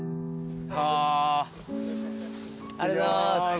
ありがとうございます。